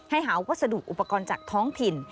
หาวัสดุอุปกรณ์จากท้องถิ่น